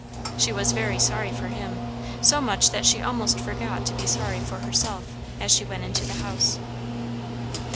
She was very sorry for him, so much that she almost forgot to be sorry for herself, as she went into the house.